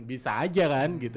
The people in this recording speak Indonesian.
bisa aja kan gitu